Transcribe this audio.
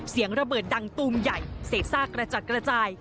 เสียงระเบิดดังตูมใหญ่เศษซากกระจัดกระจาย